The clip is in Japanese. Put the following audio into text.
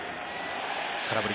空振り。